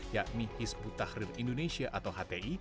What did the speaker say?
yakni hizbut tahrir indonesia atau hti